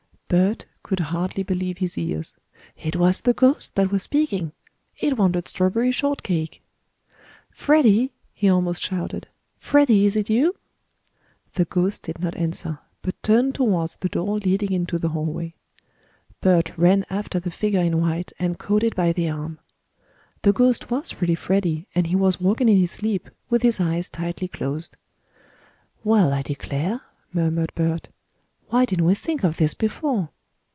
Bert could hardly believe his ears. It was the ghost that was speaking! It wanted strawberry shortcake! "Freddie!" he almost shouted. "Freddie, is it you?" The ghost did not answer, but turned towards the door leading into the hallway. Bert ran after the figure in white and caught it by the arm. The ghost was really Freddie, and he was walking in his sleep, with his eyes tightly closed. "Well, I declare!" murmured Bert. "Why didn't we think of this before?"